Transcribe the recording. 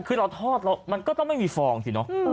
คือเราทอดแล้วมันก็ต้องไม่มีฟองสิเนอะ